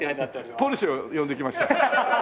ポルシェを呼んできました。